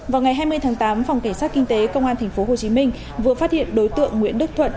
vào ngày hai mươi tháng tám phòng cảnh sát kinh tế công an tp hcm vừa phát hiện đối tượng nguyễn đức thuận